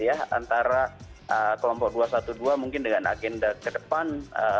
antara kelompok dua ratus dua belas mungkin dengan agenda ke depan